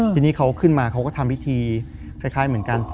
ทีนี้เขาขึ้นมาเขาก็ทำพิธีคล้ายเหมือนกัน